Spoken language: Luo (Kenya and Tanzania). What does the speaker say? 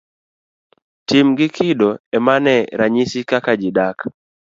Tim gi kido emane ranyisi kaka ji dak.